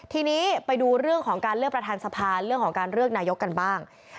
ทีนี้ไปดูเรื่องของเรื่องของการเลือกนายกกันบ้าง